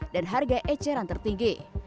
dan harga eceran tertinggi